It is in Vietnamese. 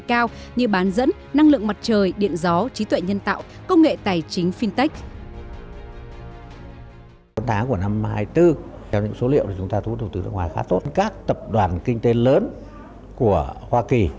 công nghệ nhân tạo công nghệ tài chính fintech